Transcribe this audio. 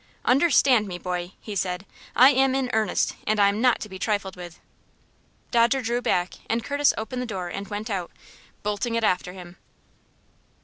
"Understand me, boy," he said, "I am in earnest, and I am not to be trifled with." Dodger drew back, and Curtis opened the door and went out, bolting it after him.